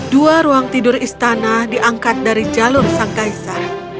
dua ruang tidur istana diangkat dari jalur sang kaisa